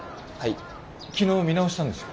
昨日見直したんですよ。